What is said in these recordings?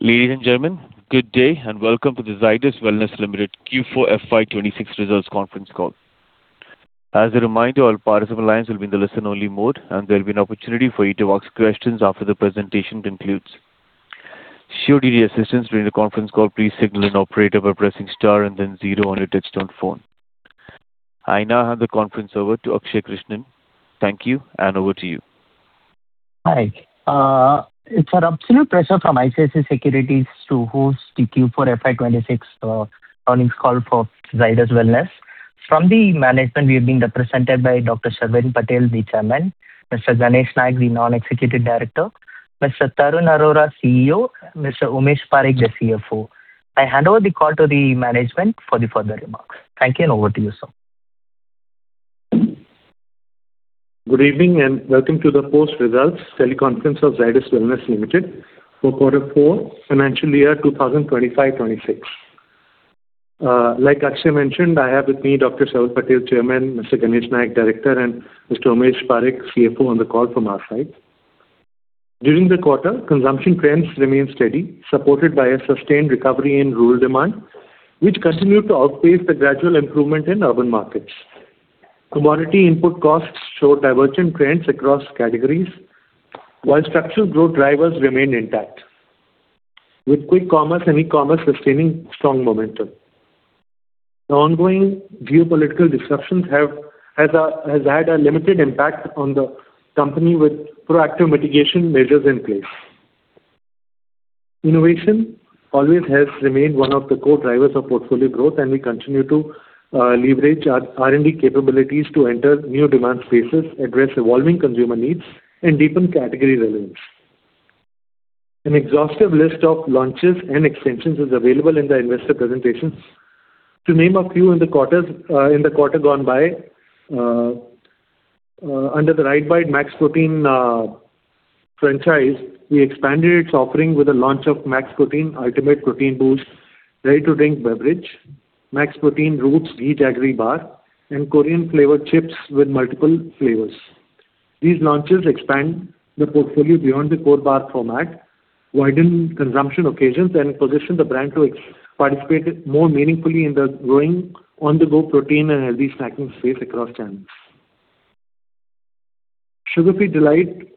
Ladies and gentlemen, good day, and welcome to the Zydus Wellness Limited Q4 FY 2026 results conference call. As a reminder, all participants lines will be in the listen-only mode, and there'll be an opportunity for you to ask questions after the presentation concludes. Should you need assistance during the conference call, please signal an operator by pressing star and then zero on your touch-tone phone. I now hand the conference over to Akshay Krishnan. Thank you, and over to you. Hi. It's our absolute pleasure from ICICI Securities to host the Q4 FY 2026 earnings call for Zydus Wellness. From the management, we are being represented by Dr. Sharvil Patel, the Chairman; Mr. Ganesh Nayak, the Non-Executive Director; Mr. Tarun Arora, CEO; Mr. Umesh Parikh, the CFO. I hand over the call to the management for the further remarks. Thank you, and over to you, sir. Good evening, and welcome to the post-results teleconference of Zydus Wellness Limited for quarter four, financial year 2025, 2026. Like Akshay mentioned, I have with me Dr. Sharvil Patel, Chairman; Mr. Ganesh Nayak, Director; and Mr. Umesh Parikh, CFO, on the call from our side. During the quarter, consumption trends remained steady, supported by a sustained recovery in rural demand, which continued to outpace the gradual improvement in urban markets. Commodity input costs showed divergent trends across categories, while structural growth drivers remained intact, with quick commerce and e-commerce sustaining strong momentum. The ongoing geopolitical disruptions has had a limited impact on the company with proactive mitigation measures in place. Innovation always has remained one of the core drivers of portfolio growth, and we continue to leverage our R&D capabilities to enter new demand spaces, address evolving consumer needs, and deepen category relevance. An exhaustive list of launches and extensions is available in the investor presentations. To name a few in the quarter gone by, under the RiteBite Max Protein franchise, we expanded its offering with the launch of Max Protein Ultimate Protein Boost Ready to Drink beverage, Max Protein Roots Ghee Jaggery Protein Bar, and Korean flavor chips with multiple flavors. These launches expand the portfolio beyond the core bar format, widen consumption occasions, and position the brand to participate more meaningfully in the growing on-the-go protein and healthy snacking space across channels. Sugar Free D'lite,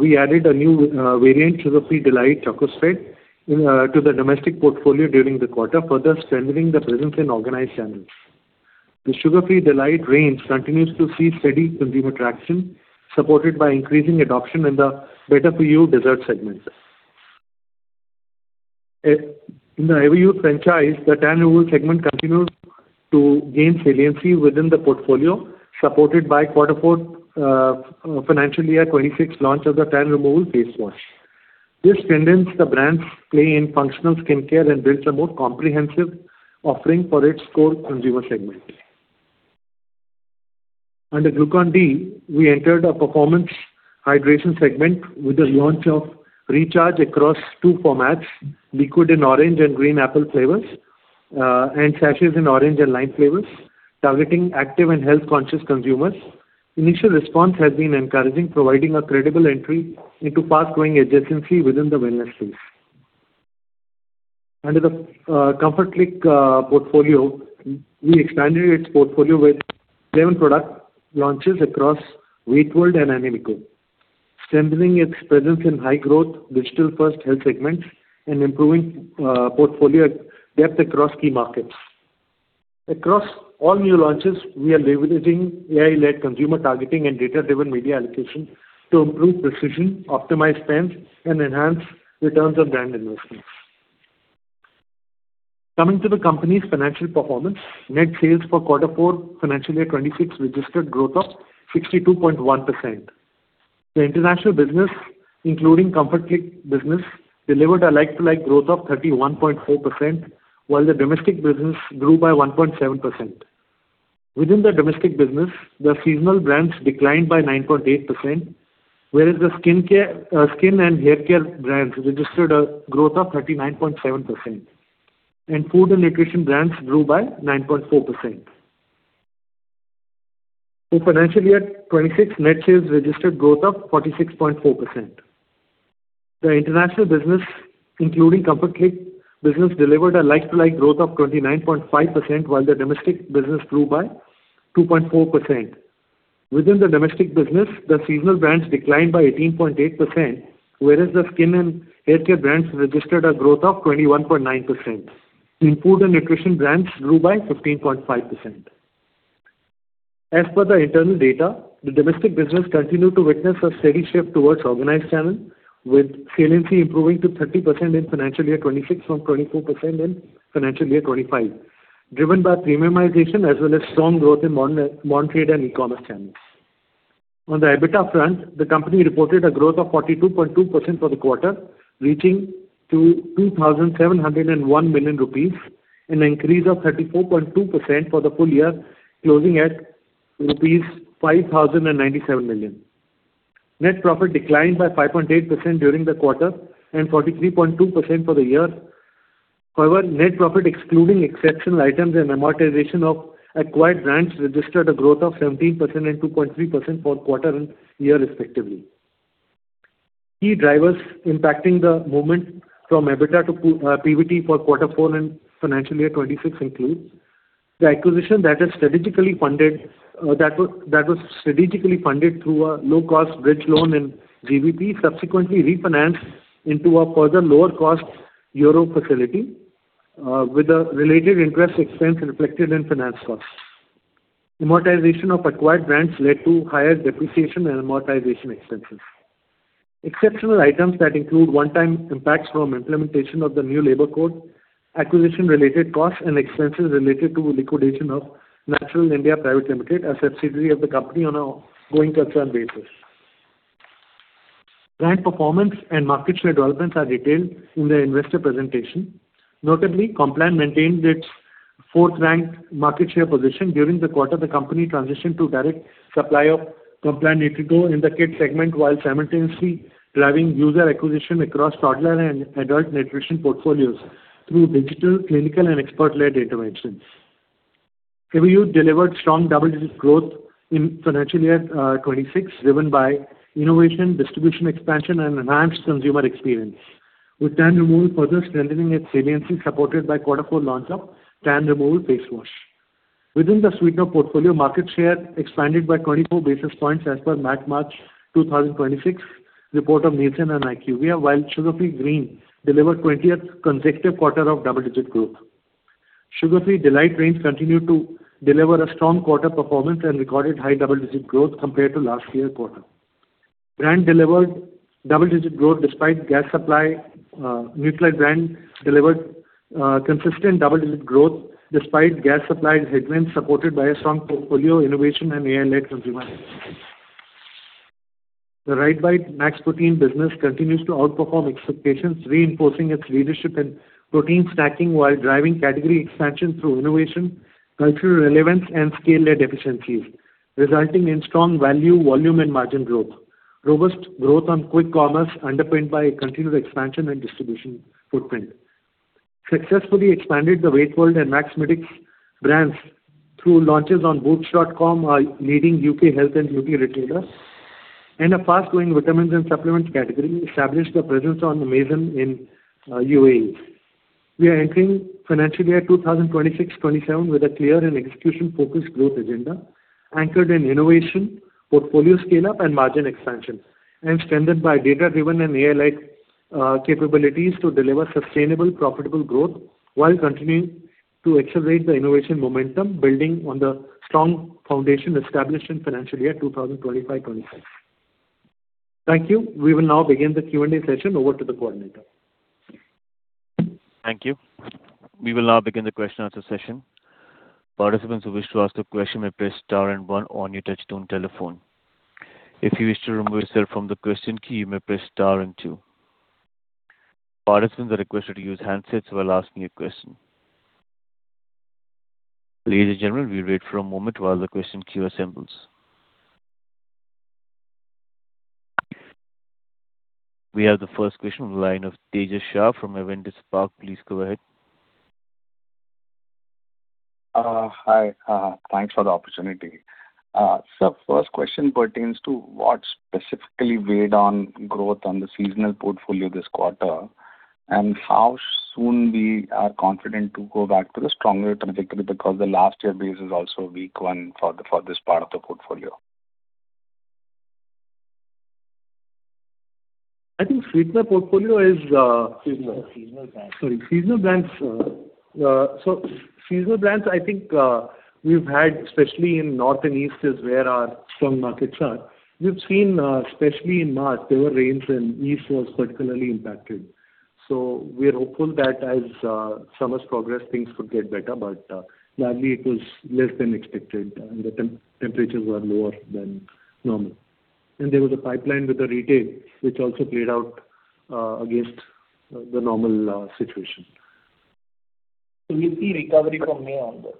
we added a new variant, Sugar Free D'lite Choco Stick, to the domestic portfolio during the quarter, further strengthening the presence in organized channels. The Sugar Free D'lite range continues to see steady consumer traction, supported by increasing adoption in the better-for-you dessert segments. In the Everyuth franchise, the tan removal segment continues to gain saliency within the portfolio, supported by Q4 FY 2026 launch of the Everyuth Tan Removal Face Wash. This strengthens the brand's play in functional skincare and builds a more comprehensive offering for its core consumer segment. Under Glucon-D, we entered a performance hydration segment with the launch of Recharge across two formats, liquid in orange and green apple flavors, and sachets in orange and lime flavors, targeting active and health-conscious consumers. Initial response has been encouraging, providing a credible entry into fast-growing adjacency within the wellness space. Under the Comfort Click portfolio, we expanded its portfolio with seven product launches across WeightWorld and Animigo, strengthening its presence in high-growth, digital-first health segments and improving portfolio depth across key markets. Across all new launches, we are leveraging AI-led consumer targeting and data-driven media allocation to improve precision, optimize spends, and enhance returns on brand investments. Coming to the company's financial performance, net sales for quarter four, FY 2026 registered growth of 62.1%. The international business, including Comfort Click business, delivered a like-to-like growth of 31.4%, while the domestic business grew by 1.7%. Within the domestic business, the seasonal brands declined by 9.8%, whereas the skincare, skin and hair care brands registered a growth of 39.7%, and food and nutrition brands grew by 9.4%. For FY 2026, net sales registered growth of 46.4%. The international business, including Comfort Click business, delivered a like-to-like growth of 29.5%, while the domestic business grew by 2.4%. Within the domestic business, the seasonal brands declined by 18.8%, whereas the skin and hair care brands registered a growth of 21.9%, and food and nutrition brands grew by 15.5%. As per the internal data, the domestic business continued to witness a steady shift towards organized channel, with saliency improving to 30% in financial year 2026 from 24% in financial year 2025, driven by premiumization as well as strong growth in modern trade and e-commerce channels. On the EBITDA front, the company reported a growth of 42.2% for the quarter, reaching 2,701 million rupees, an increase of 34.2% for the full year, closing at rupees 5,097 million. Net profit declined by 5.8% during the quarter and 43.2% for the year. However, net profit excluding exceptional items and amortization of acquired brands registered a growth of 17% and 2.3% for quarter and year, respectively. Key drivers impacting the movement from EBITDA to PBT for Q4 and FY 2026 include the acquisition that was strategically funded through a low-cost bridge loan in GBP, subsequently refinanced into a further lower cost Euro facility, with the related interest expense reflected in finance costs. Amortization of acquired brands led to higher depreciation and amortization expenses. Exceptional items that include one-time impacts from implementation of the new labor code, acquisition related costs and expenses related to liquidation of Naturell India Private Limited, a subsidiary of the company on a going concern basis. Brand performance and market share developments are detailed in the investor presentation. Notably, Complan maintained its 4th ranked market share position. During the quarter, the company transitioned to direct supply of Complan NutriGro in the kid segment, while simultaneously driving user acquisition across toddler and adult nutrition portfolios through digital, clinical, and expert-led interventions. Revive delivered strong double-digit growth in financial year 2026, driven by innovation, distribution expansion, and enhanced consumer experience. With Everyuth Tan Removal further strengthening its saliency, supported by quarter four launch of Everyuth Tan Removal Face Wash. Within the sweetener portfolio, market share expanded by 24 basis points as per MAT March 2026 report of Nielsen and IQVIA, while Sugar Free Green delivered 20th consecutive quarter of double-digit growth. Sugar Free D'lite range continued to deliver a strong quarter performance and recorded high double-digit growth compared to last year quarter. Brand delivered double-digit growth despite gas supply. Nutralite brand delivered consistent double-digit growth despite gas supply headwinds, supported by a strong portfolio innovation and AI-led consumer insights. The RiteBite Max Protein business continues to outperform expectations, reinforcing its leadership in protein snacking while driving category expansion through innovation, cultural relevance, and scale-led efficiencies, resulting in strong value, volume, and margin growth. Robust growth on quick commerce underpinned by a continued expansion and distribution footprint. Successfully expanded the WeightWorld and MaxMedix brands through launches on Boots.com, a leading U.K. health and beauty retailer. In a fast-growing vitamins and supplements category, established a presence on Amazon in U.A.E. We are entering financial year 2026/2027 with a clear and execution-focused growth agenda anchored in innovation, portfolio scale-up, and margin expansion, and strengthened by data-driven and AI-led capabilities to deliver sustainable, profitable growth while continuing to accelerate the innovation momentum building on the strong foundation established in financial year 2025/2026. Thank you. We will now begin the Q&A session. Over to the coordinator. Thank you. We will now begin the question-and-answer session. Participants who wish to ask a question may press star one on your touch-tone telephone. If you wish to remove yourself from the question queue, you may press star two. Participants are requested to use handsets while asking a question. Ladies and gentlemen, we wait for a moment while the question queue assembles. We have the first question on the line of Tejas Shah from Avendus Spark. Please go ahead. Hi. Thanks for the opportunity. First question pertains to what specifically weighed on growth on the seasonal portfolio this quarter, and how soon we are confident to go back to the stronger trajectory because the last year base is also weak one for this part of the portfolio. I think sweetener portfolio is. Seasonal. Seasonal brands. Sorry. Seasonal brands, I think, we've had, especially in north and east is where our strong markets are. We've seen, especially in March, there were rains and east was particularly impacted. We're hopeful that as summers progress things could get better, but sadly it was less than expected and the temperatures were lower than normal. There was a pipeline with the retail which also played out against the normal situation. We see recovery from May onwards.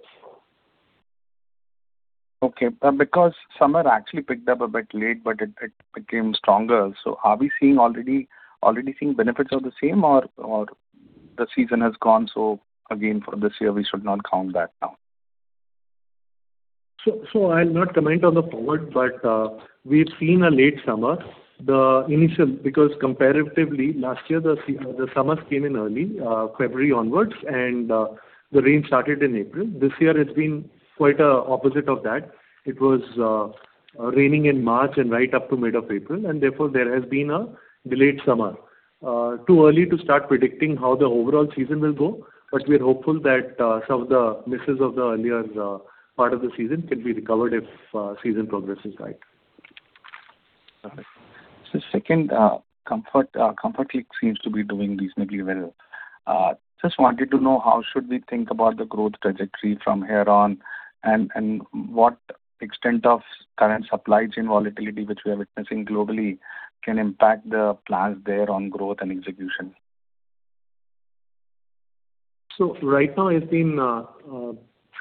Okay. Because summer actually picked up a bit late, but it became stronger. Are we seeing already seeing benefits of the same or the season has gone so again for this year we should not count that now? I'll not comment on the forward, but we've seen a late summer. Because comparatively last year the summers came in early February onwards and the rain started in April. This year it's been quite opposite of that. It was raining in March and right up to mid of April and therefore there has been a delayed summer. Too early to start predicting how the overall season will go, but we're hopeful that some of the misses of the earlier part of the season can be recovered if season progress is right. Got it. Second, Comfort Click seems to be doing reasonably well. Just wanted to know how should we think about the growth trajectory from here on and what extent of current supply chain volatility which we are witnessing globally can impact the plans there on growth and execution? Right now it's been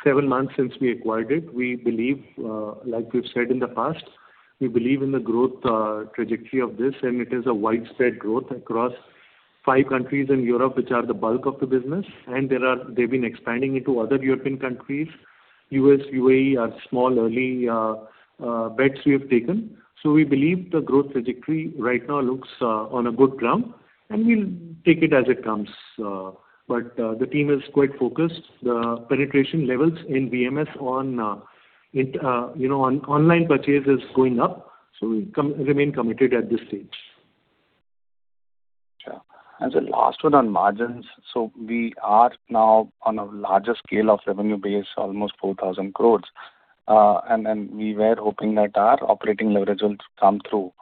seven months since we acquired it. We believe, like we've said in the past, we believe in the growth trajectory of this, and it is a widespread growth across five countries in Europe, which are the bulk of the business. They've been expanding into other European countries. U.S., U.A.E. are small early bets we have taken. We believe the growth trajectory right now looks on a good drum, and we'll take it as it comes. The team is quite focused. The penetration levels in VMS on it, you know, on online purchase is going up, so we remain committed at this stage. Sure. The last one on margins. We are now on a larger scale of revenue base, almost 4,000 crores. We were hoping that our operating leverage will come through.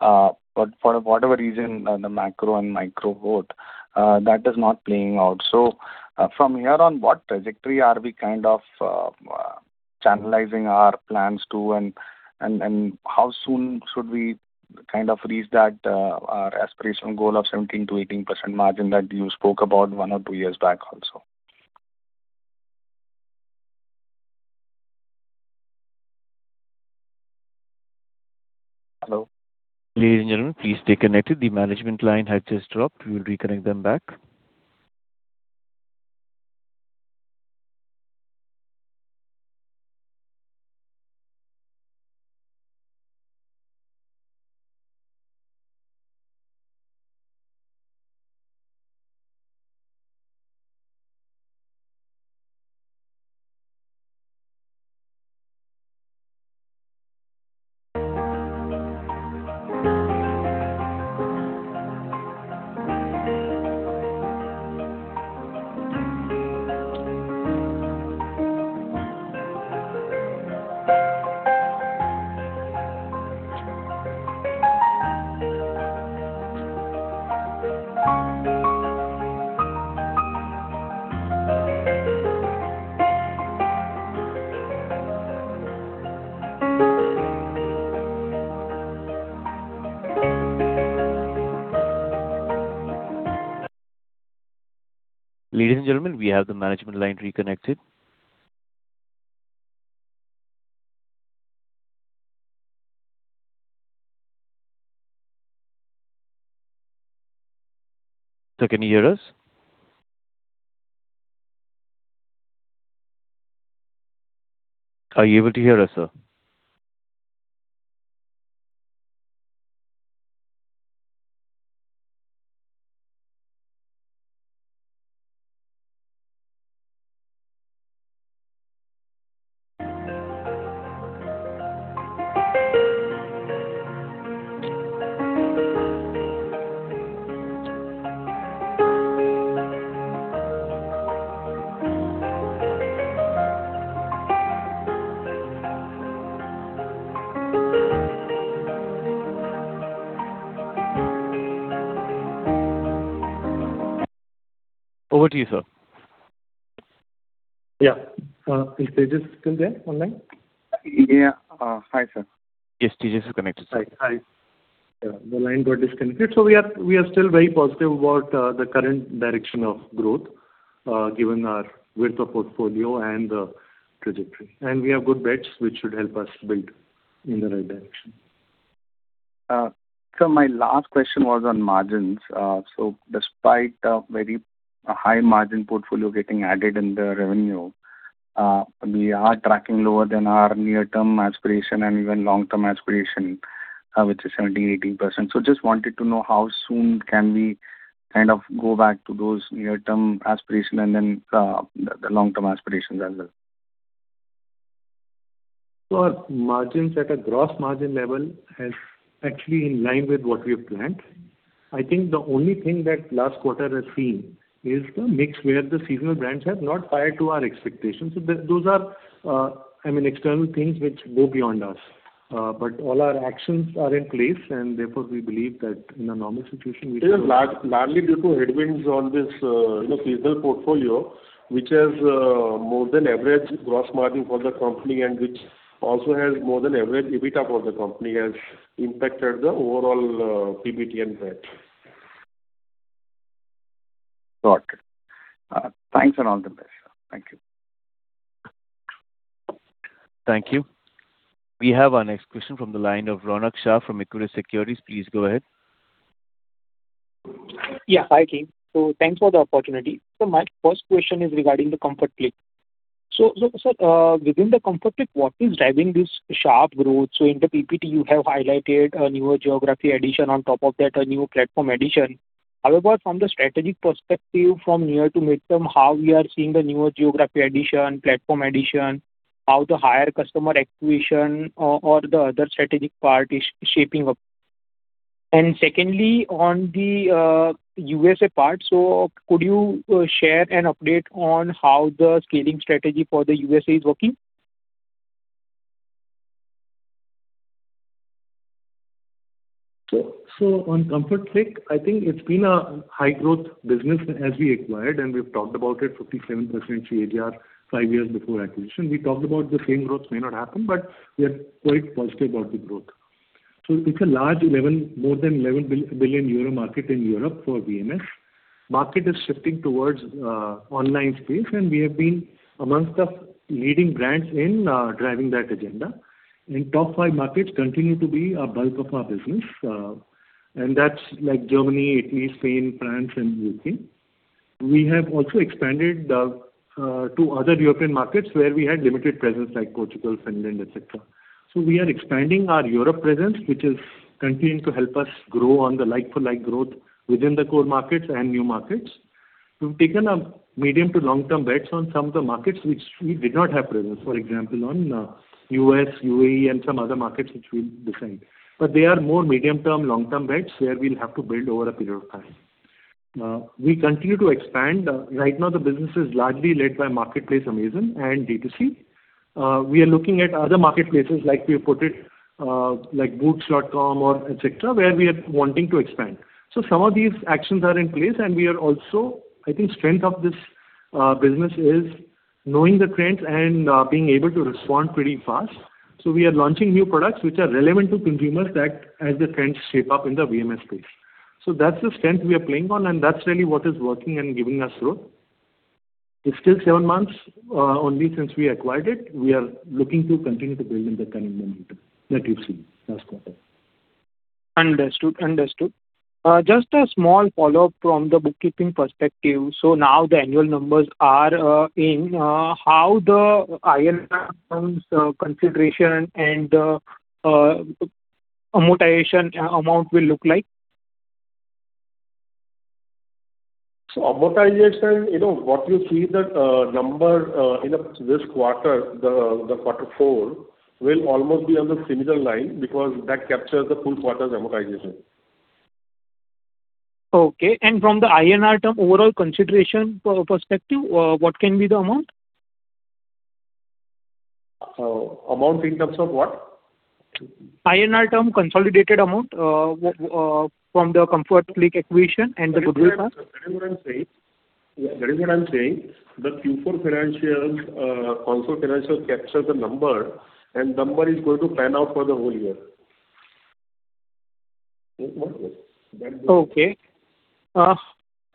For whatever reason, the macro and micro both, that is not playing out. From here on, what trajectory are we kind of channelizing our plans to, and how soon should we kind of reach that our aspirational goal of 17%-18% margin that you spoke about one or two years back also? Hello? Ladies and gentlemen, please stay connected. The management line has just dropped. We will reconnect them back. Ladies and gentlemen, we have the management line reconnected. Sir, can you hear us? Are you able to hear us, sir? Over to you, sir. Yeah. Is Tejas still there online? Yeah. Hi, sir. Yes, Tejas is connected, sir. Hi. Yeah, the line got disconnected. We are still very positive about the current direction of growth given our width of portfolio and the trajectory. We have good bets which should help us build in the right direction. Sir, my last question was on margins. Despite a very high margin portfolio getting added in the revenue, we are tracking lower than our near-term aspiration and even long-term aspiration, which is 17%-18%. Just wanted to know how soon can we kind of go back to those near-term aspiration and then the long-term aspirations as well. Our margins at a gross margin level has actually in line with what we have planned. I think the only thing that last quarter has seen is the mix where the seasonal brands have not fired to our expectations. Those are, I mean, external things which go beyond us. All our actions are in place and therefore we believe that in a normal situation Largely due to headwinds on this, you know, seasonal portfolio, which has more than average gross margin for the company and which also has more than average EBITDA for the company has impacted the overall PBT and PAT. Got it. Thanks and all the best. Thank you. Thank you. We have our next question from the line of Ronak Shah from Equirus Securities. Please go ahead. Yeah. Hi, team. Thanks for the opportunity. My first question is regarding the Comfort Click. Sir, within the Comfort Click, what is driving this sharp growth? In the PPT you have highlighted a newer geography addition, on top of that a new platform addition. From the strategic perspective, from near-to-midterm, how we are seeing the newer geography addition, platform addition, how the higher customer acquisition or the other strategic part is shaping up? Secondly, on the U.S. part, could you share an update on how the scaling strategy for the U.S. is working? On Comfort Click, I think it's been a high growth business as we acquired, and we've talked about it, 57% CAGR, five years before acquisition. We talked about the same growth may not happen, but we are quite positive about the growth. It's a large more than 11 billion euro market in Europe for VMS. Market is shifting towards online space, and we have been amongst the leading brands in driving that agenda. Top five markets continue to be a bulk of our business, and that's like Germany, Italy, Spain, France, and U.K. We have also expanded to other European markets where we had limited presence like Portugal, Finland, et cetera. We are expanding our Europe presence, which is continuing to help us grow on the like-for-like growth within the core markets and new markets. We've taken a medium to long-term bets on some of the markets which we did not have presence. For example, on U.S., U.A.E., and some other markets which we'll decide. They are more medium-term, long-term bets where we'll have to build over a period of time. We continue to expand. Right now the business is largely led by marketplace Amazon and D2C. We are looking at other marketplaces like we have put it, like boots.com or etcetera, where we are wanting to expand. Some of these actions are in place, and we are also I think strength of this business is knowing the trends and being able to respond pretty fast. We are launching new products which are relevant to consumers that as the trends shape up in the VMS space. That's the strength we are playing on, and that's really what is working and giving us growth. It's still seven months only since we acquired it. We are looking to continue to build on the current momentum that you've seen last quarter. Understood. Understood. Just a small follow-up from the bookkeeping perspective. Now the annual numbers are in. How the INR terms consideration and amortization amount will look like? Amortization, you know, what you see the number in this quarter, the quarter four, will almost be on the similar line because that captures the full quarter's amortization. Okay. From the INR term overall consideration perspective, what can be the amount? Amount in terms of what? INR term consolidated amount from the Comfort Click acquisition and the goodwill part. That is what I'm saying. The Q4 financials also capture the number. Number is going to pan out for the whole year. Okay. The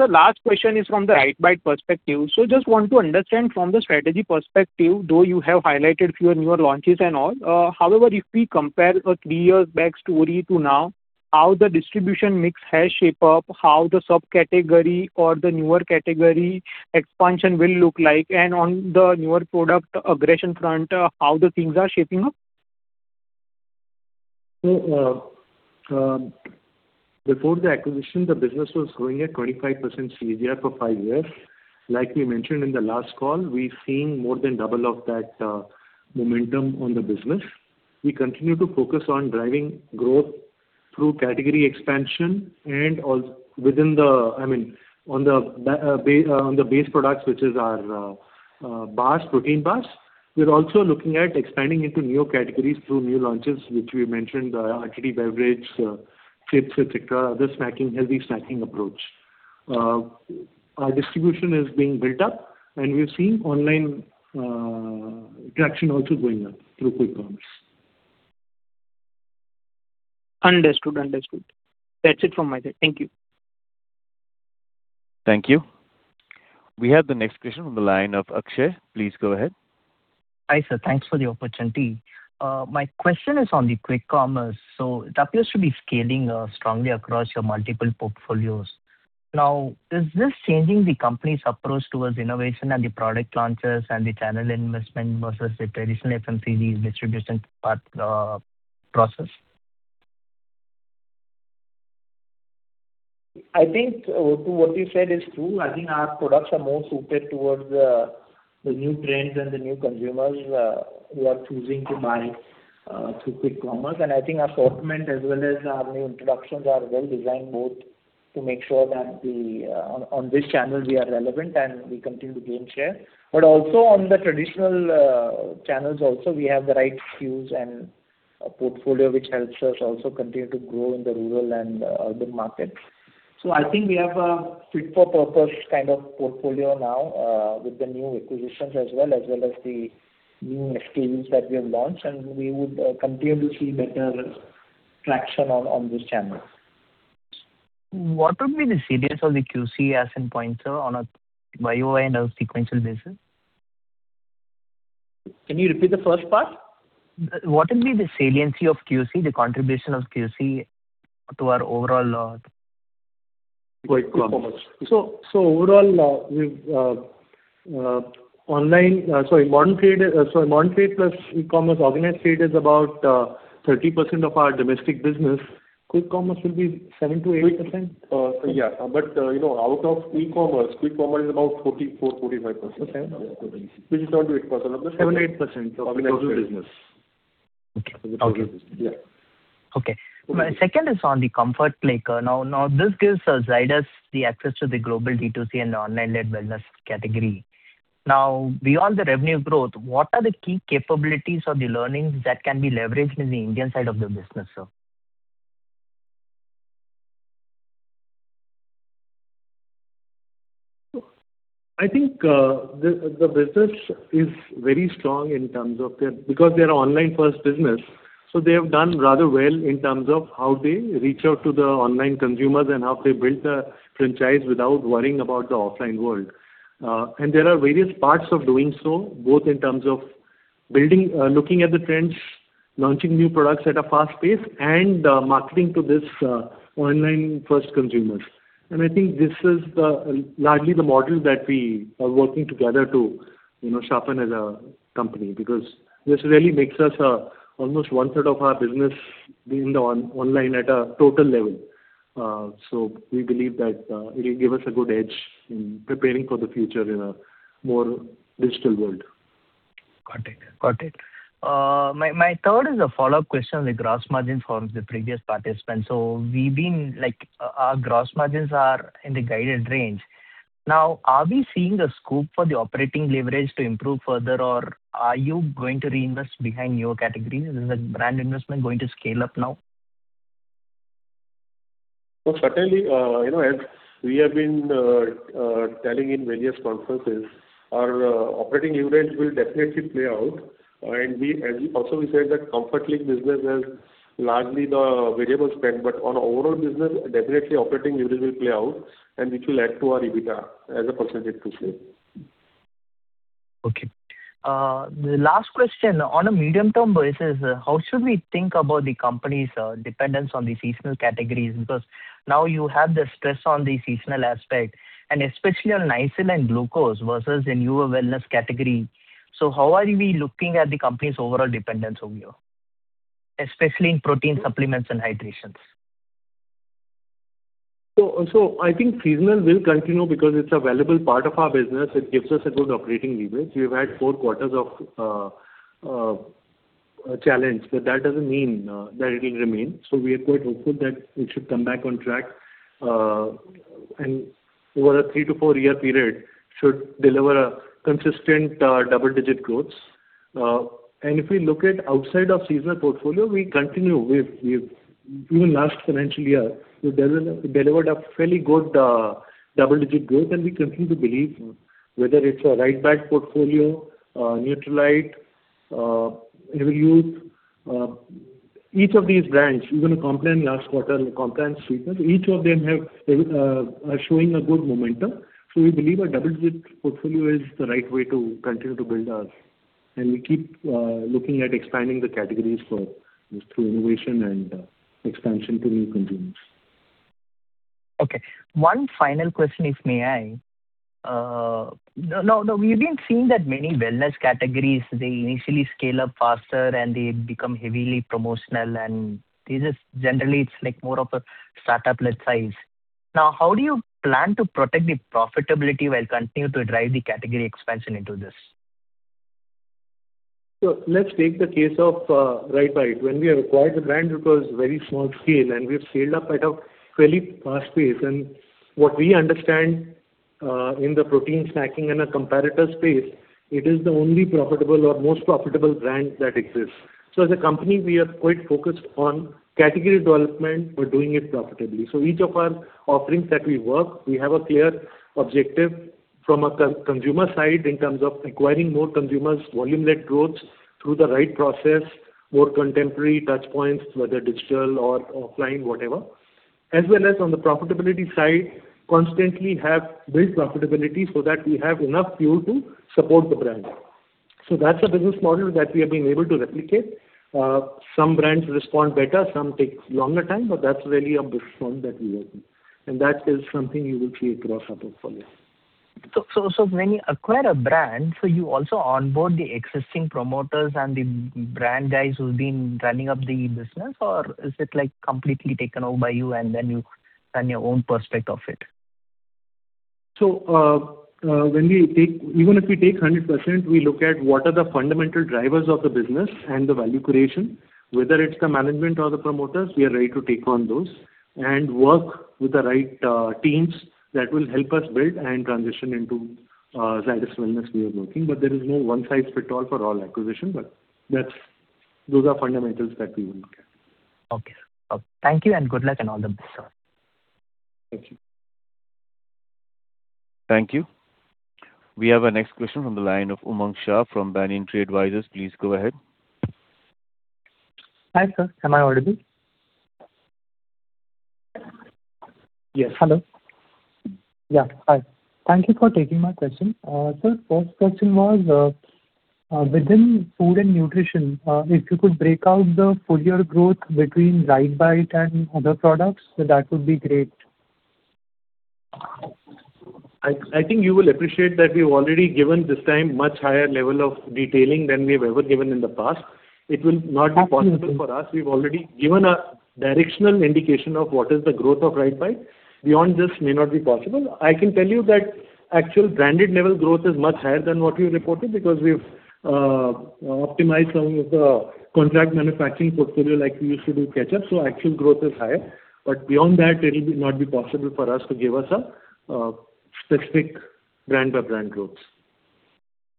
last question is from the RiteBite perspective. Just want to understand from the strategy perspective, though you have highlighted few newer launches and all. However, if we compare a three years back story to now, how the distribution mix has shape up, how the subcategory or the newer category expansion will look like, and on the newer product aggression front, how the things are shaping up? Before the acquisition, the business was growing at 25% CAGR for five years. Like we mentioned in the last call, we've seen more than double of that momentum on the business. We continue to focus on driving growth through category expansion and I mean, on the base products, which is our bars, protein bars. We're also looking at expanding into newer categories through new launches, which we mentioned, RTD beverage, chips, et cetera, other snacking, healthy snacking approach. Our distribution is being built up, and we've seen online traction also going up through quick commerce. Understood. Understood. That is it from my side. Thank you. Thank you. We have the next question from the line of Akshay. Please go ahead. Hi, sir. Thanks for the opportunity. My question is on the quick commerce. It appears to be scaling strongly across your multiple portfolios. Is this changing the company's approach towards innovation and the product launches and the channel investment versus the traditional FMCG distribution part process? I think what you said is true. I think our products are more suited towards the new trends and the new consumers who are choosing to buy through quick commerce. I think our assortment as well as our new introductions are well-designed both to make sure that we on this channel we are relevant and we continue to gain share. Also on the traditional channels also, we have the right SKUs and a portfolio which helps us also continue to grow in the rural and urban markets. I think we have a fit for purpose kind of portfolio now with the new acquisitions as well, as well as the new SKUs that we have launched, and we would continue to see better traction on this channel. What would be the salience of the QC as in pointer on a YOY and a sequential basis? Can you repeat the first part? What will be the saliency of QC, the contribution of QC to our overall? Quick commerce. Overall, we've online, sorry, modern trade, sorry, modern trade plus e-commerce, organized trade is about 30% of our domestic business. Quick commerce will be 7%-8%. Yeah, you know, out of e-commerce, quick commerce is about 44%-45%. Okay. Which is 7%-8%. 7-8% of total business. Of the total business. Yeah. Okay. My second is on the Comfort Click. this gives Zydus the access to the global D2C and online-led wellness category. Beyond the revenue growth, what are the key capabilities or the learnings that can be leveraged in the Indian side of the business, sir? I think, the business is very strong in terms of their because they're online first business, so they have done rather well in terms of how they reach out to the online consumers and how they build the franchise without worrying about the offline world. There are various parts of doing so, both in terms of building, looking at the trends, launching new products at a fast pace, and marketing to this online first consumers. I think this is the, largely the model that we are working together to, you know, sharpen as a company, because this really makes us almost one third of our business being the online at a total level. We believe that it'll give us a good edge in preparing for the future in a more digital world. Got it. Got it. My third is a follow-up question on the gross margin from the previous participant. We've been, like, our gross margins are in the guided range. Now, are we seeing the scope for the operating leverage to improve further, or are you going to reinvest behind your categories? Is the brand investment going to scale up now? Certainly, you know, as we have been telling in various conferences, our operating leverage will definitely play out. Also we said that Comfort Click business is largely the variable spend, but on overall business, definitely operating leverage will play out and which will add to our EBITDA as a percentage, for sure. Okay. The last question, on a medium-term basis, how should we think about the company's, dependence on the seasonal categories? Now you have the stress on the seasonal aspect and especially on Nycil and glucose versus the newer wellness category. How are you be looking at the company's overall dependence over here, especially in protein supplements and hydrations? I think seasonal will continue because it's a valuable part of our business. It gives us a good operating leverage. We've had four quarters of challenge, but that doesn't mean that it'll remain. We are quite hopeful that it should come back on track and over a three to four-year period should deliver a consistent double-digit growth. If we look at outside of seasonal portfolio, we continue. Even last financial year, we delivered a fairly good double-digit growth, and we continue to believe, whether it's a RiteBite portfolio, Nutralite, Everyuth, each of these brands, even a Complan last quarter, Sugar Free, each of them have are showing a good momentum. We believe a double-digit portfolio is the right way to continue to build our. We keep looking at expanding the categories for this through innovation and expansion to new consumers. Okay. One final question, if may I. now we've been seeing that many wellness categories, they initially scale up faster and they become heavily promotional and this is generally it's like more of a startup led size. How do you plan to protect the profitability while continue to drive the category expansion into this? Let's take the case of RiteBite. When we acquired the brand, it was very small scale, and we've scaled up at a fairly fast pace. What we understand, in the protein snacking in a comparator space, it is the only profitable or most profitable brand that exists. As a company, we are quite focused on category development. We're doing it profitably. Each of our offerings that we work, we have a clear objective from a consumer side in terms of acquiring more consumers, volume-led growth through the right process, more contemporary touchpoints, whether digital or offline, whatever. As well as on the profitability side, constantly have built profitability so that we have enough fuel to support the brand. That's a business model that we have been able to replicate. Some brands respond better, some takes longer time, but that's really a backbone that we have built. That is something you will see across our portfolio. When you acquire a brand, so you also onboard the existing promoters and the brand guys who's been running the business? Or is it like completely taken over by you and then you run your own perspective of it? When we take Even if we take 100%, we look at what are the fundamental drivers of the business and the value creation. Whether it's the management or the promoters, we are ready to take on those and work with the right teams that will help us build and transition into Zydus Wellness we are working. There is no one-size-fits-all for all acquisition, those are fundamentals that we will look at. Okay. Thank you and good luck and all the best, sir. Thank you. Thank you. We have our next question from the line of Umang Shah from Banyan Tree Advisors. Please go ahead. Hi, sir. Am I audible? Yes. Hello? Yeah. Hi. Thank you for taking my question. Sir, first question was within food and nutrition, if you could break out the full year growth between RiteBite and other products, that would be great. I think you will appreciate that we've already given this time much higher level of detailing than we've ever given in the past. It will not be possible for us. We've already given a directional indication of what is the growth of RiteBite. Beyond this may not be possible. I can tell you that actual branded level growth is much higher than what we reported because we've optimized some of the contract manufacturing portfolio like we used to do ketchup, so actual growth is higher. Beyond that, it'll not be possible for us to give us a specific brand by brand growth.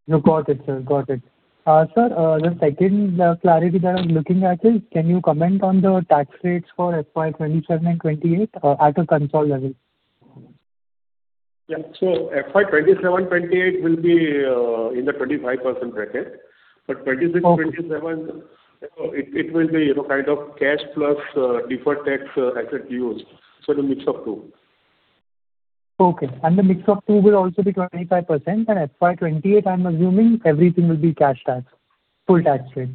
No, got it, sir. Got it. Sir, the second clarity that I'm looking at is, can you comment on the tax rates for FY 2027 and 2028, at a console level? Yeah. FY 2027/2028 will be in the 25% bracket. 2026/2027, you know, it will be, you know, kind of cash plus deferred tax asset used. The mix of two. Okay. The mix of two will also be 25%. FY 2028, I'm assuming everything will be cash tax, full tax rate.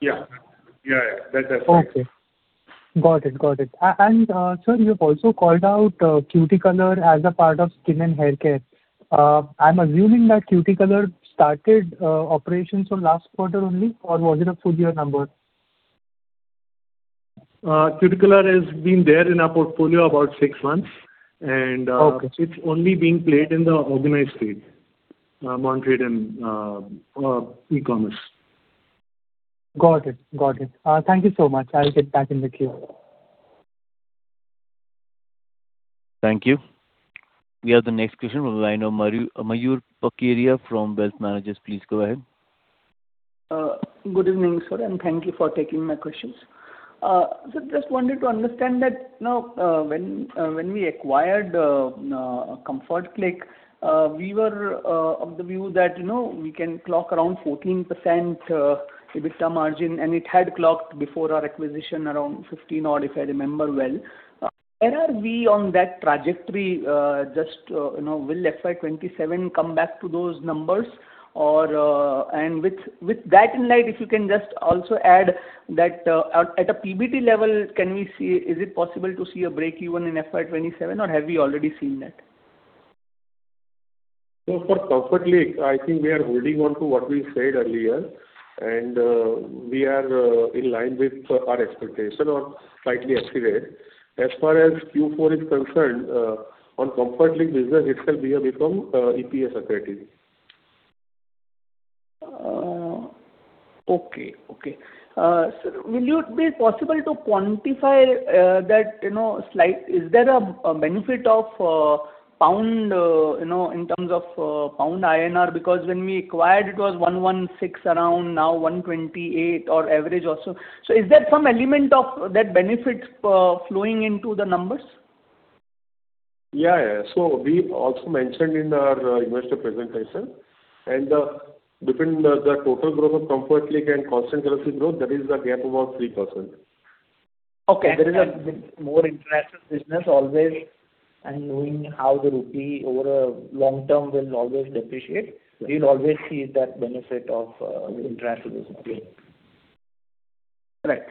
Yeah. Yeah, yeah. That's right. Okay. Got it. Got it. Sir, you've also called out Cuticolor as a part of skin and haircare. I'm assuming that Cuticolor started operations from last quarter only or was it a full year number? Cuticolor has been there in our portfolio about six months. Okay. It's only being played in the organized trade, modern trade and e-commerce. Got it. Got it. Thank you so much. I'll get back in the queue. Thank you. We have the next question from the line of Mayur Parkeria from Wealth Managers. Please go ahead. Good evening, sir. Thank you for taking my questions. Just wanted to understand that, you know, when we acquired Comfort Click, we were of the view that, you know, we can clock around 14% EBITDA margin. It had clocked before our acquisition around 15 odd, if I remember well. Where are we on that trajectory? Will FY 2027 come back to those numbers or with that in light, if you can just also add that at a PBT level, is it possible to see a breakeven in FY 2027 or have we already seen that? For Comfort Click, I think we are holding on to what we said earlier, and we are in line with our expectation or slightly exceed it. As far as Q4 is concerned, on Comfort Click business itself we have become EPS accretive. Okay. Okay. Sir, would it be possible to quantify that, you know, slight, is there a benefit of GBP, you know, in terms of GBP INR? Because when we acquired it was 116 around, now 128 or average or so. Is there some element of that benefit flowing into the numbers? Yeah. We also mentioned in our investor presentation and between the total growth of Comfort Click and Constant Currency growth, there is a gap of about 3%. Okay. There is a- More international business always and knowing how the rupee over a long term will always depreciate. Yeah. We'll always see that benefit of international business. Right.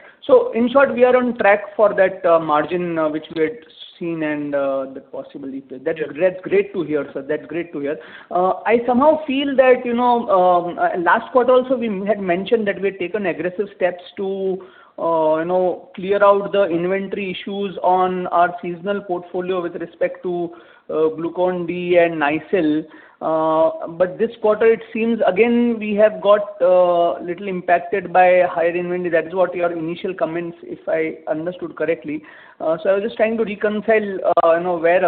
In short, we are on track for that margin which we had seen and the possible EBITDA. Yeah. That's great to hear, sir. That's great to hear. I somehow feel that, you know, last quarter also we had mentioned that we had taken aggressive steps to, you know, clear out the inventory issues on our seasonal portfolio with respect to Glucon-D and Nycil. This quarter it seems again we have got little impacted by higher inventory. That is what your initial comments if I understood correctly. I was just trying to reconcile, you know, where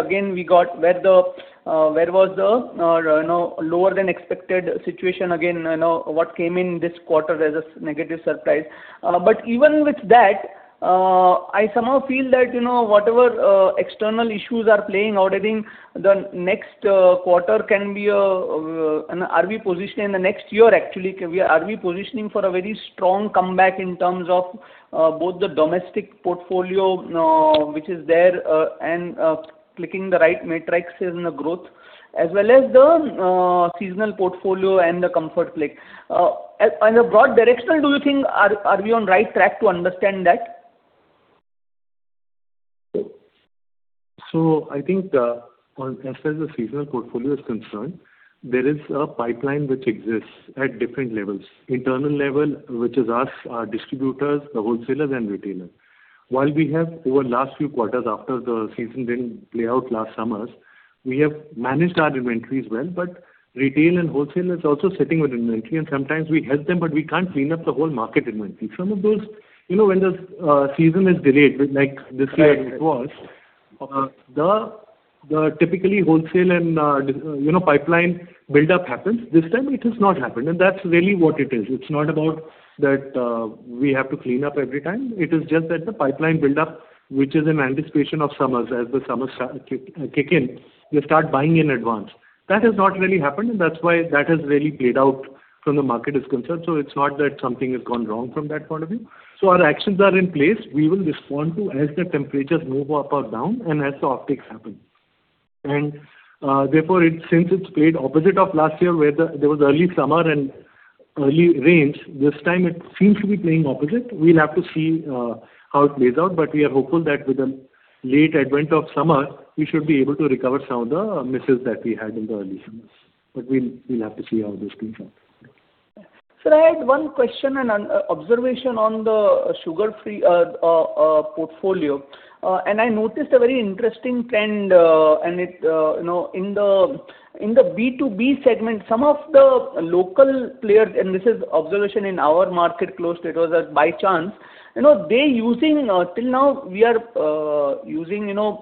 was the, you know, lower than expected situation again, you know, what came in this quarter as a negative surprise. Even with that, I somehow feel that, you know, whatever external issues are playing out, I think the next quarter can be a. Are we positioned in the next year actually? Are we positioning for a very strong comeback in terms of both the domestic portfolio, which is there, and clicking the right matrix in the growth as well as the seasonal portfolio and the Comfort Click? On a broad directional, do you think are we on right track to understand that? I think, as far as the seasonal portfolio is concerned, there is a pipeline which exists at different levels. Internal level, which is us, our distributors, the wholesalers and retailers. We have over last few quarters after the season didn't play out last summers, we have managed our inventories well. Retail and wholesalers also sitting with inventory and sometimes we help them. We can't clean up the whole market inventory. Some of those, you know, when the season is delayed like this year it was. Right. The typically wholesale and, you know, pipeline buildup happens. This time it has not happened. That's really what it is. It's not about that we have to clean up every time. It is just that the pipeline buildup, which is in anticipation of summers. As the summers kick in, you start buying in advance. That has not really happened. That's why that has really played out from the market is concerned. It's not that something has gone wrong from that point of view. Our actions are in place. We will respond to as the temperatures move up or down and as the optics happen. Therefore, since it's played opposite of last year where there was early summer and early rains, this time it seems to be playing opposite. We'll have to see how it plays out, but we are hopeful that with the late advent of summer, we should be able to recover some of the misses that we had in the early summers. We'll have to see how this plays out. Sir, I had one question and an observation on the Sugar Free portfolio. I noticed a very interesting trend, and it, you know, in the B2B segment, some of the local players, and this is observation in our market close to it was as by chance, you know, they using till now we are using, you know,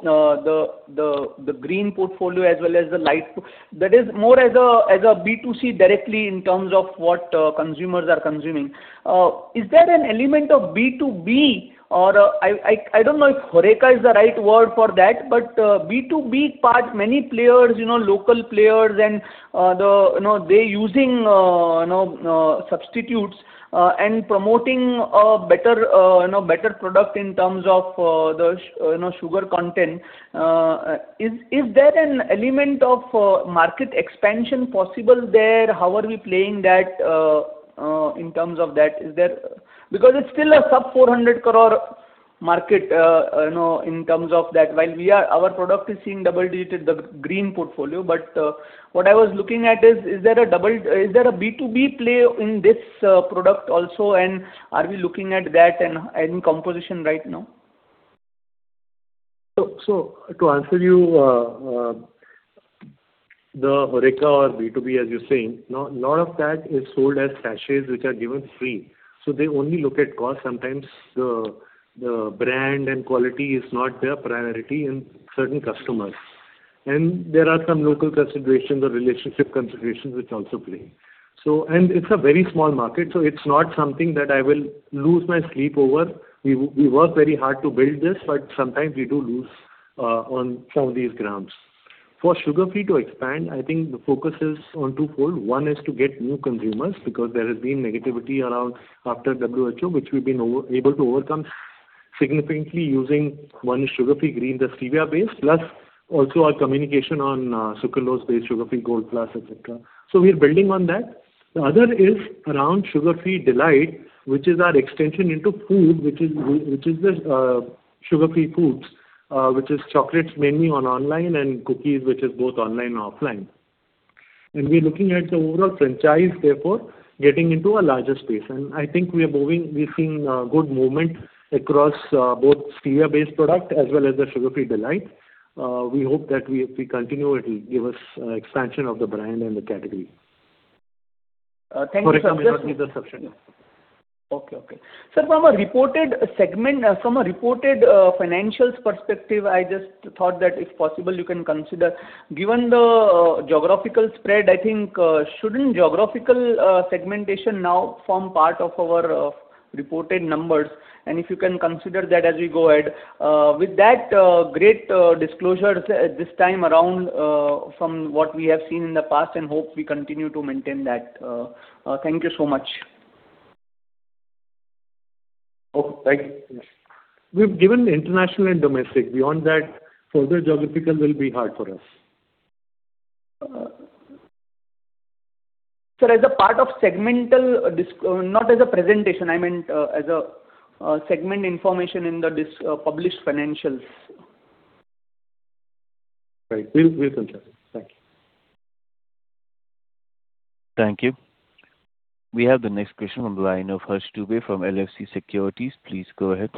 the Green portfolio as well as the light. That is more as a B2C directly in terms of what consumers are consuming. Is there an element of B2B or, I don't know if HoReCa is the right word for that, but B2B part? Many players, you know, local players and, you know, they using, you know, substitutes, and promoting a better, you know, better product in terms of, you know, sugar content. Is there an element of market expansion possible there? How are we playing that in terms of that? Because it's still a sub 400 crore market, you know, in terms of that. While our product is seeing double digits, the green portfolio. What I was looking at is there a B2B play in this product also? Are we looking at that in composition right now? To answer you, the HoReCa or B2B, as you're saying, no-lot of that is sold as sachets, which are given free. They only look at cost. Sometimes the brand and quality is not their priority in certain customers. There are some local considerations or relationship considerations which also play. It's a very small market, so it's not something that I will lose my sleep over. We work very hard to build this, but sometimes we do lose on some of these grounds. For Sugar Free to expand, I think the focus is on twofold. One is to get new consumers, because there has been negativity around after WHO, which we've been able to overcome significantly using, one is Sugar Free Green, the stevia-based, plus also our communication on sucralose-based Sugar Free Gold Plus, et cetera. We are building on that. The other is around Sugar Free D'lite, which is our extension into food, which is the sugar-free foods, which is chocolates mainly on online and cookies, which is both online and offline. We are looking at the overall franchise, therefore, getting into a larger space. I think we are moving, we're seeing good movement across both stevia-based product as well as the Sugar Free D'lite. We hope that if we continue, it'll give us expansion of the brand and the category. Thank you, sir. HoReCa may not be the subscription. Okay. Okay. Sir, from a reported segment, from a reported financials perspective, I just thought that if possible you can consider, given the geographical spread, I think, shouldn't geographical segmentation now form part of our reported numbers? If you can consider that as we go ahead. With that, great disclosure this time around, from what we have seen in the past, and hope we continue to maintain that. Thank you so much. Oh, thank you. We've given international and domestic. Beyond that, further geographical will be hard for us. Sir, as a part of segmental, not as a presentation, I meant, as a segment information in the published financials. Right. We'll consider it. Thank you. Thank you. We have the next question on the line of Harsh Dubey from LFC Securities. Please go ahead.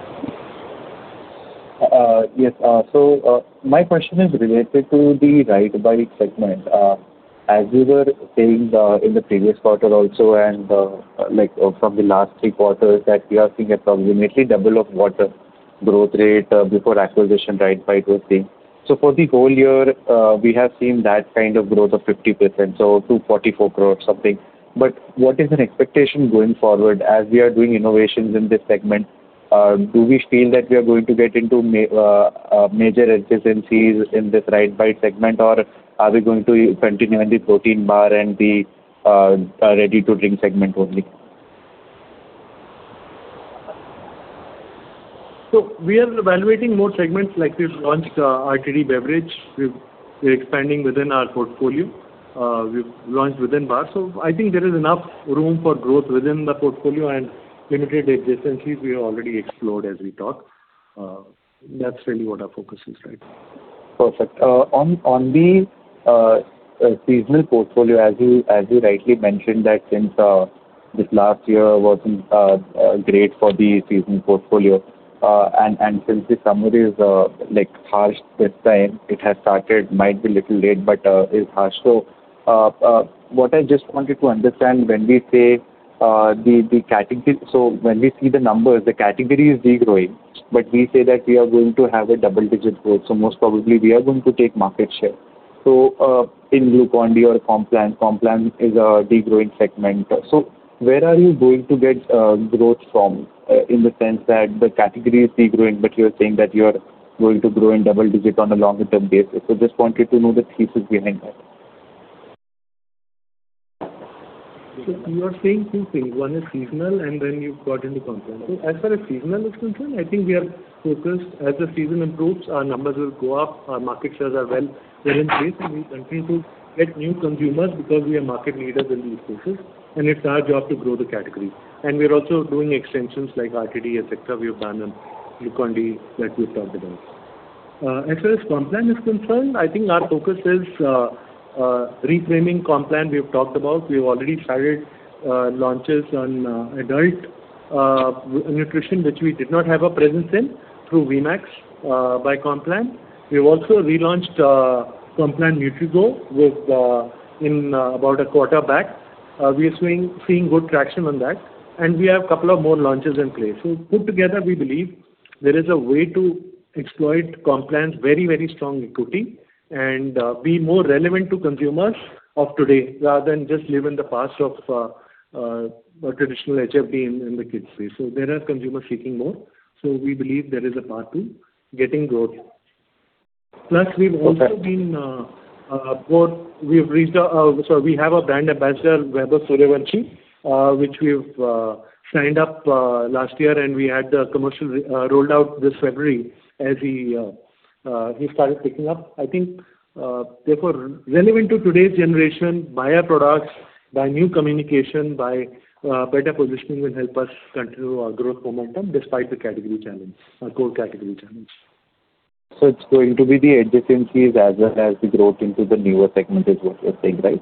Yes. My question is related to the RiteBite segment. As you were saying, in the previous quarter also and, like from the last three quarters that we are seeing approximately double of what growth rate before acquisition RiteBite was seeing. For the whole year, we have seen that kind of growth of 50%, so 244 crore or something. What is an expectation going forward as we are doing innovations in this segment? Do we feel that we are going to get into major adjacencies in this RiteBite segment, or are we going to continue on the protein bar and the Ready-to-Drink segment only? We are evaluating more segments like we've launched, RTD beverage. We're expanding within our portfolio. We've launched within bar. I think there is enough room for growth within the portfolio and limited adjacencies we already explored as we talk. That's really what our focus is right now. Perfect. On the seasonal portfolio, as you rightly mentioned that since this last year wasn't great for the seasonal portfolio, and since the summer is like harsh this time, it has started, might be little late, but is harsh. What I just wanted to understand when we say the category. When we see the numbers, the category is degrowing, but we say that we are going to have a double-digit growth, so most probably we are going to take market share. In Glucon-D or Complan is a degrowing segment. Where are you going to get growth from, in the sense that the category is degrowing, but you're saying that you're going to grow in double digit on a longer term basis? Just wanted to know the thesis behind that. You are saying two things. One is seasonal and then you've got into Complan. As far as seasonal is concerned, I think we are focused. As the season improves, our numbers will go up. Our market shares are well, they're in place, and we continue to get new consumers because we are market leaders in these spaces, and it's our job to grow the category. We are also doing extensions like RTD, et cetera. We have done, Glucon-D that we've talked about. As far as Complan is concerned, I think our focus is reframing Complan. We have talked about. We have already started launches on adult nutrition, which we did not have a presence in through VieMAX by Complan. We have also relaunched Complan NutriGro with, in about a quarter back. We are seeing good traction on that, and we have a couple of more launches in place. Put together, we believe there is a way to exploit Complan's very, very strong equity and be more relevant to consumers of today rather than just live in the past of traditional HFD in the kids space. There are consumers seeking more, so we believe there is a path to getting growth. Plus, we've also been poor. We have reached our sorry, we have a brand ambassador, Vivek Oberoi, which we've signed up last year, and we had the commercial rolled out this February as he started picking up. I think, therefore relevant to today's generation, buy our products by new communication, by better positioning will help us continue our growth momentum despite the category challenge, our core category challenge. It's going to be the adjacencies as well as the growth into the newer segment is what you're saying, right?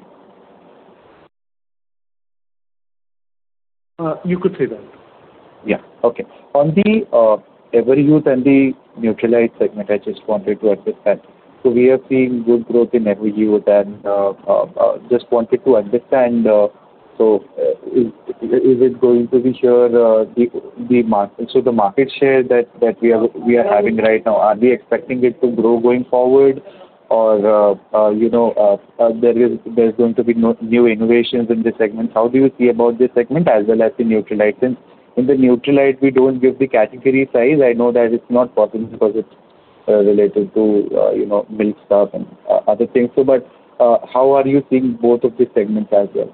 You could say that. Yeah. Okay. On the Everyuth and the Nutralite segment, I just wanted to understand. We are seeing good growth in Everyuth and just wanted to understand, so is it going to be sure, the market share that we are having right now, are we expecting it to grow going forward or, you know, there is going to be no new innovations in this segment. How do you see about this segment as well as the Nutralite? Since in the Nutralite we don't give the category size. I know that it's not possible because it's related to, you know, milk stuff and other things. How are you seeing both of these segments as well?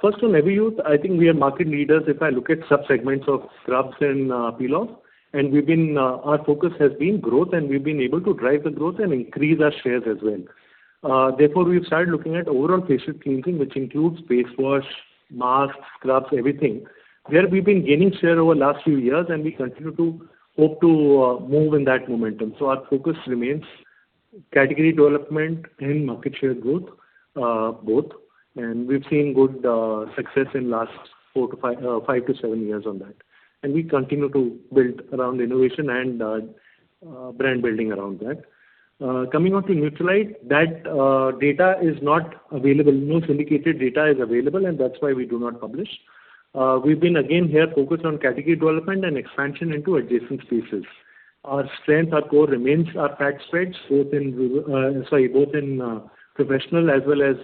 First on Everyuth, I think we are market leaders if I look at sub-segments of scrubs and peel-off, and we've been, our focus has been growth, and we've been able to drive the growth and increase our shares as well. Therefore, we've started looking at overall facial cleansing, which includes face wash, masks, scrubs, everything, where we've been gaining share over last few years, and we continue to hope to move in that momentum. Our focus remains category development and market share growth, both. We've seen good success in last four to five to seven years on that. We continue to build around innovation and brand building around that. Coming on to Nutralite, that data is not available. No syndicated data is available, and that's why we do not publish. We've been again here focused on category development and expansion into adjacent spaces. Our strength, our core remains our fat spreads, both in, sorry, both in professional as well as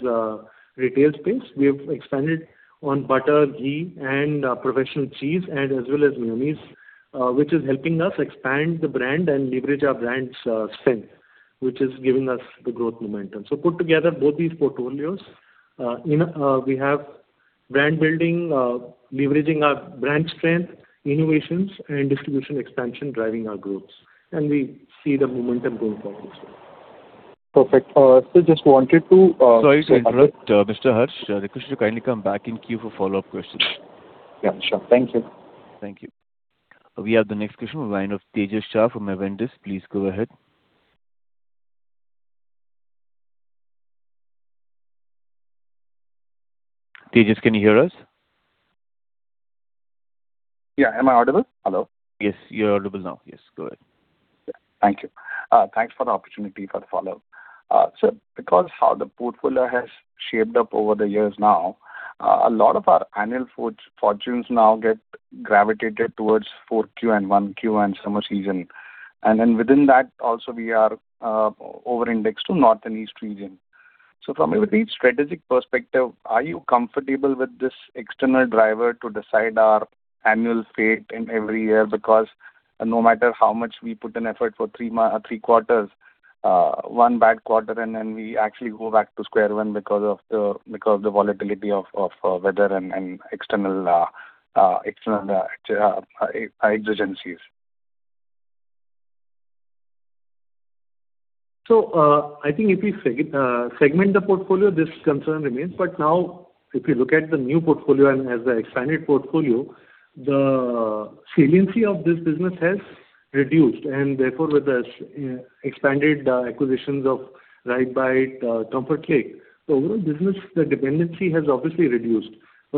retail space. We have expanded on butter, ghee and professional cheese and as well as mayonnaises, which is helping us expand the brand and leverage our brand's strength, which is giving us the growth momentum. Put together both these portfolios, in a, we have brand building, leveraging our brand strength, innovations and distribution expansion driving our growth. We see the momentum going forward as well. Perfect. Sorry to interrupt, Mr. Harsh. Request you to kindly come back in queue for follow-up questions. Yeah, sure. Thank you. Thank you. We have the next question in line of Tejas Shah from Avendus. Please go ahead. Tejas, can you hear us? Yeah. Am I audible? Hello. Yes, you're audible now. Yes, go ahead. Thank you. Thanks for the opportunity for the follow-up. Because how the portfolio has shaped up over the years now, a lot of our annual foods fortunes now get gravitated towards 4Q and 1Q and summer season. Within that also we are over-indexed to North and East region. From a very strategic perspective, are you comfortable with this external driver to decide our annual fate in every year? No matter how much we put in effort for three quarters, one bad quarter we actually go back to square one because of the volatility of weather and external exogencies. I think if we segment the portfolio, this concern remains. Now if you look at the new portfolio and as the expanded portfolio, the saliency of this business has reduced and therefore with the expanded acquisitions of RiteBite, Comfort Click, the overall business, the dependency has obviously reduced.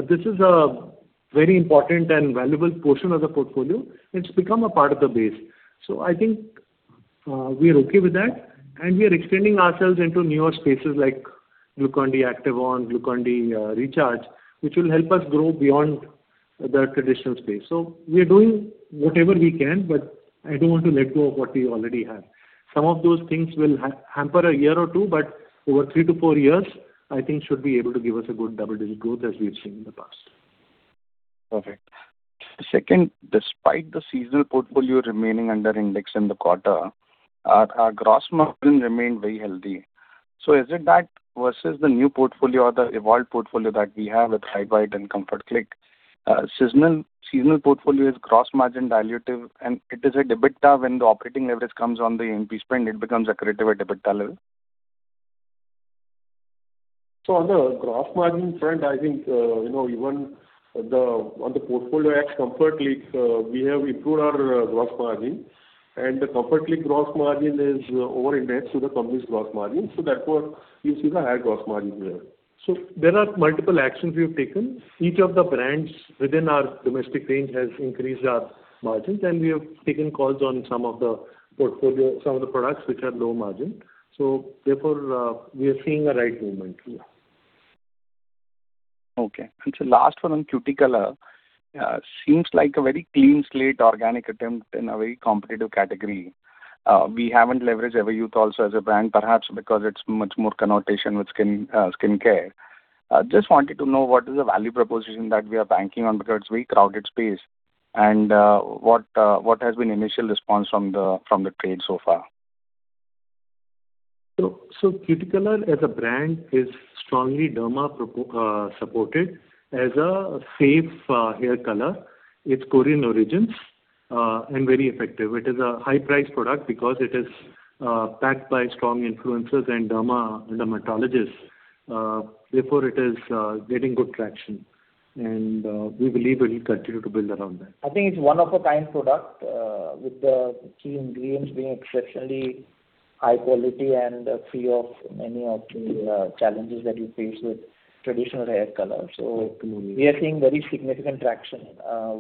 This is a very important and valuable portion of the portfolio. It's become a part of the base. I think we are okay with that, and we are extending ourselves into newer spaces like Glucon-D ACTIVON, Glucon-D Recharge, which will help us grow beyond the traditional space. We are doing whatever we can, but I don't want to let go of what we already have. Some of those things will hamper a year or two, but over three to four years, I think should be able to give us a good double-digit growth as we've seen in the past. Perfect. Second, despite the seasonal portfolio remaining under index in the quarter, our gross margin remained very healthy. Is it that versus the new portfolio or the evolved portfolio that we have with RiteBite and Comfort Click, seasonal portfolio is gross margin dilutive, and it is a EBITDA when the operating leverage comes on the MP spend, it becomes accretive at EBITDA level? On the gross margin front, I think, you know, on the portfolio as Comfort Click, we have improved our gross margin. The Comfort Click gross margin is over indexed to the company's gross margin, therefore you see the higher gross margin there. There are multiple actions we have taken. Each of the brands within our domestic range has increased our margins, and we have taken calls on some of the portfolio, some of the products which are low margin. Therefore, we are seeing a right movement here. Okay. Last one on Cuticolor. Seems like a very clean slate organic attempt in a very competitive category. We haven't leveraged Everyuth also as a brand, perhaps because it's much more connotation with skincare. Just wanted to know what is the value proposition that we are banking on because it's very crowded space. What has been initial response from the trade so far? Cuticolor as a brand is strongly derma supported as a safe hair color. It's Korean origins and very effective. It is a high-priced product because it is backed by strong influencers and dermatologists. Therefore, it is getting good traction. We believe we'll continue to build around that. I think it's one of a kind product, with the key ingredients being exceptionally high quality and free of many of the challenges that you face with traditional hair color. We are seeing very significant traction,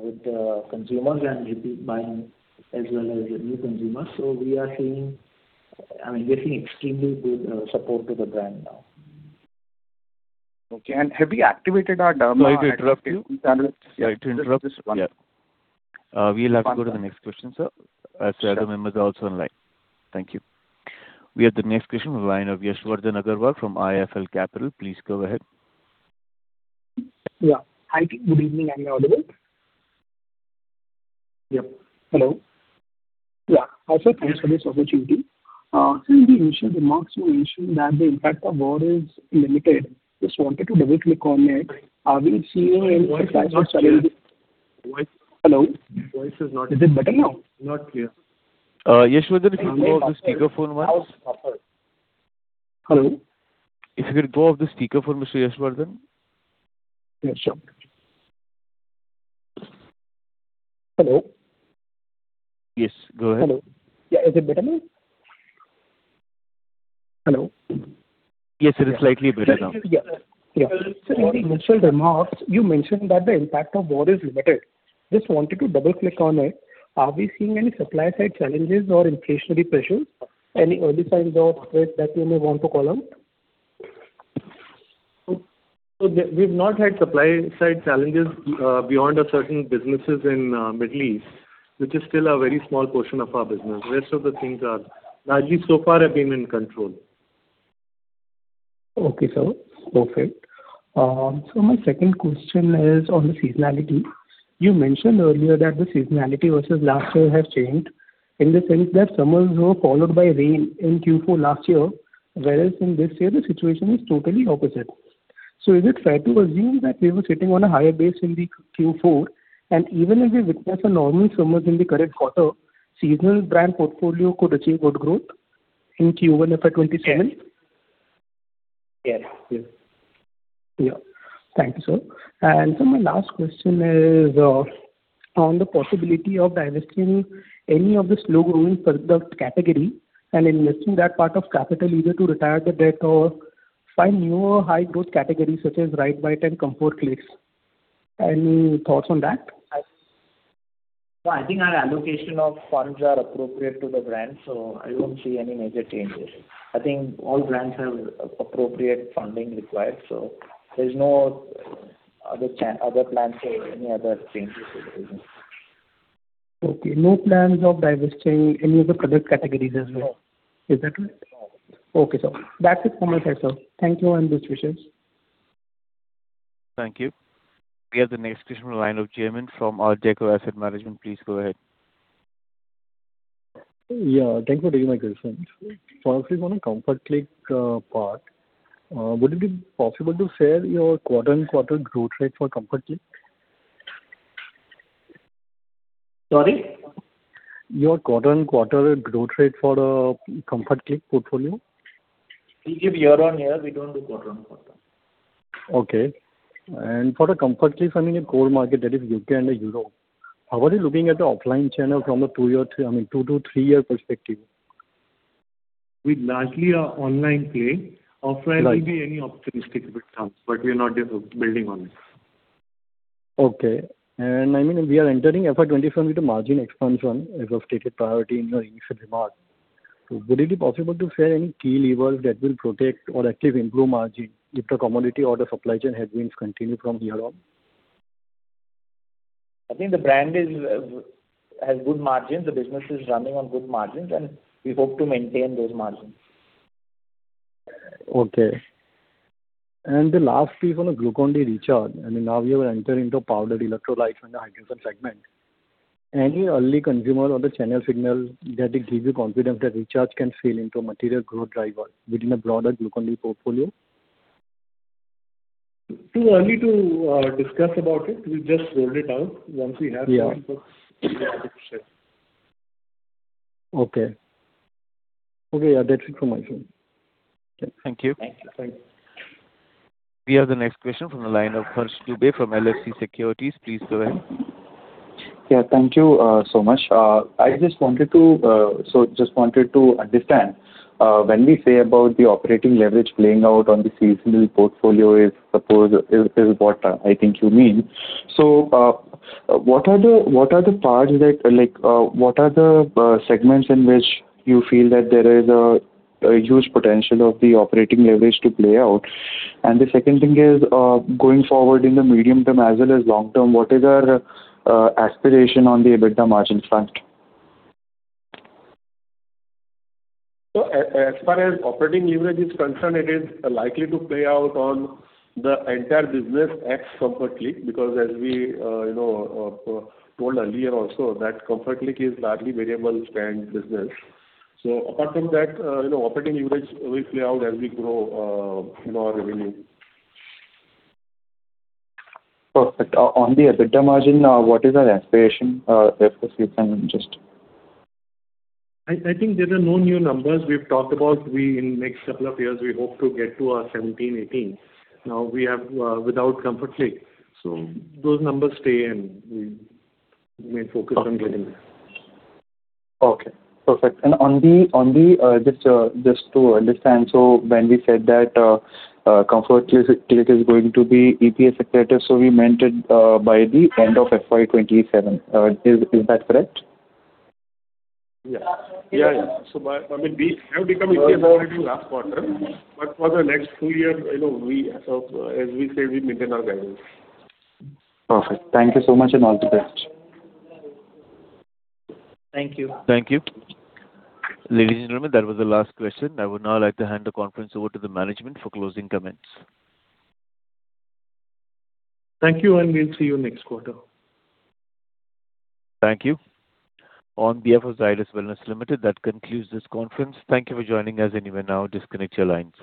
with the consumers and repeat buying as well as the new consumers. We are seeing I mean, we are seeing extremely good support to the brand now. Okay. Have you activated our derma-? Sorry to interrupt you. Sorry to interrupt. We'll have to go to the next question, sir, as there are members also online. Thank you. We have the next question on the line of Yashowardhan Agarwal from IIFL Capital. Please go ahead. Yeah. Hi, good evening. Am I audible? Yep. Hello? Yeah. Also, thanks for this opportunity. Sir, in the initial remarks you mentioned that the impact of war is limited. Just wanted to double-click on it. Are we seeing any supply side challenges? Your voice is not clear. Hello? Your voice is not clear. Is it better now? Not clear. Yashowardhan, if you go off the speaker phone once. Hello? If you could go off the speaker phone, Mr. Yashowardhan. Yeah, sure. Hello? Yes, go ahead. Hello. Yeah. Is it better now? Hello? Yes, it is slightly better now. Yeah. Yeah. Sir, in the initial remarks you mentioned that the impact of war is limited. Just wanted to double-click on it. Are we seeing any supply side challenges or inflationary pressures? Any early signs of it that you may want to call out? We've not had supply side challenges beyond certain businesses in Middle East, which is still a very small portion of our business. Rest of the things are largely so far have been in control. Okay, sir. Perfect. My second question is on the seasonality. You mentioned earlier that the seasonality versus last year has changed in the sense that summers were followed by rain in Q4 last year, whereas in this year the situation is totally opposite. Is it fair to assume that we were sitting on a higher base in the Q4 and even if we witness a normal summers in the current quarter, seasonal brand portfolio could achieve good growth in Q1 FY 2027? Yes. Yes. Yeah. Thank you, sir. My last question is on the possibility of divesting any of the slow growing product category and investing that part of capital either to retire the debt or find newer high growth categories such as RiteBite and Comfort Click. Any thoughts on that? I think our allocation of funds are appropriate to the brand, so I don't see any major changes. I think all brands have appropriate funding required, so there's no other plans or any other changes to the business. Okay. No plans of divesting any of the product categories as well. No. Is that right? No. Okay, sir. That's it from my side, sir. Thank you and best wishes. Thank you. We have the next question on the line of Jayant from Arteco Asset Management. Please go ahead. Yeah. Thanks for taking my questions. Firstly, on the Comfort Click, part, would it be possible to share your quarter-on-quarter growth rate for Comfort Click? Sorry? Your quarter-on-quarter growth rate for Comfort Click portfolio. We give year-on-year. We don't do quarter-on-quarter. Okay. For the Comfort Click, I mean, in core market that is U.K. and Europe, how are you looking at the offline channel from a 2-year, I mean, 2- to 3-year perspective? We largely are online play. Offline will be any opportunistic, it comes. We are not building on it. Okay. I mean, we are entering FY 2027 with the margin expansion as a stated priority in your initial remarks. Would it be possible to share any key levers that will protect or actively improve margin if the commodity or the supply chain headwinds continue from here on? I think the brand is, has good margins. The business is running on good margins, and we hope to maintain those margins. Okay. The last is on the Glucon-D Recharge. I mean, now we are entering into powdered electrolytes in the hydration segment. Any early consumer or the channel signal that it gives you confidence that Recharge can sail into a material growth driver within the broader Glucon-D portfolio? Too early to discuss about it. We just rolled it out. Once we have some input, we'll be happy to share. Okay. Okay, yeah, that's it from my side. Thank you. Thank you. We have the next question from the line of Harsh Dubey from LFC Securities. Please go ahead. Yeah, thank you, so much. I just wanted to understand, when we say about the operating leverage playing out on the seasonal portfolio is, suppose, is what I think you mean. What are the parts that like, what are the segments in which you feel that there is a huge potential of the operating leverage to play out? The second thing is, going forward in the medium term as well as long term, what is our aspiration on the EBITDA margin front? As far as operating leverage is concerned, it is likely to play out on the entire business ex Comfort Click, because as we told earlier also that Comfort Click is largely variable spend business. Apart from that, operating leverage will play out as we grow our revenue. Perfect. On the EBITDA margin, what is our aspiration? I think there are no new numbers. We've talked about we in next couple of years we hope to get to our 17, 18. Now we have without Comfort Click. Those numbers stay, and we remain focused on getting there. Okay. Perfect. On the just to understand, so when we said that Comfort Click is going to be EPS accretive, so we meant it by the end of FY 2027. Is that correct? Yeah. Yeah, yeah. I mean, we have become EPS accretive last quarter, but for the next 2 years, you know, we, as we said, we maintain our guidance. Perfect. Thank you so much, and all the best. Thank you. Thank you. Ladies and gentlemen, that was the last question. I would now like to hand the conference over to the management for closing comments. Thank you. We'll see you next quarter. Thank you. On behalf of Zydus Wellness Limited, that concludes this conference. Thank you for joining us and you may now disconnect your lines.